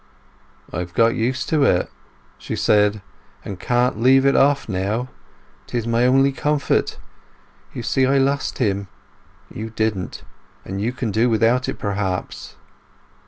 "I've got used to it," she said, "and can't leave it off now. 'Tis my only comfort—You see I lost him: you didn't; and you can do without it perhaps."